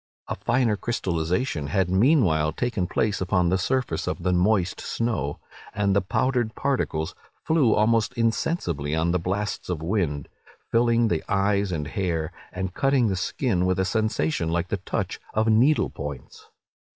A finer crystallization had meanwhile taken place upon the surface of the moist snow; and the powdered particles flew almost insensibly on the blasts of wind, filling the eyes and hair, and cutting the skin with a sensation like the touch of needle points.